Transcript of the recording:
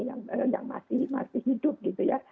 yang masih hidup gitu ya